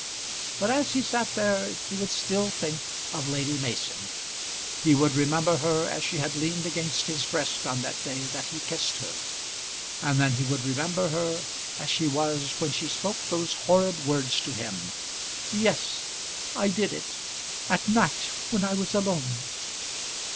But, as he sat there, he would still think of Lady Mason. He would remember her as she had leaned against his breast on that day that he kissed her; and then he would remember her as she was when she spoke those horrid words to him "Yes; I did it; at night, when I was alone."